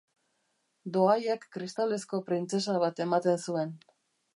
Doaiak kristalezko printzesa bat ematen zuen.